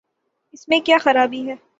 اس میں کیا خرابی ہے؟